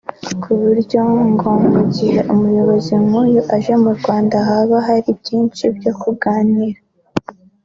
ku buryo ngo mu gihe umuyobozi nk’uyu aje mu Rwanda haba hari byinshi byo kuganira